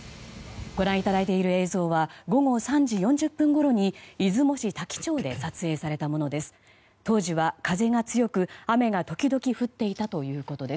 ご覧いただいている映像は午後３時４０分ごろに出雲市多伎町で撮影されたものです。